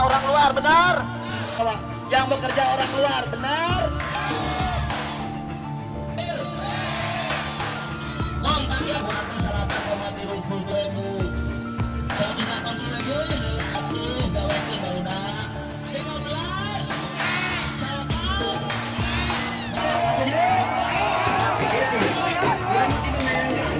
yang bekerja orang luar benar kalau yang bekerja orang luar benar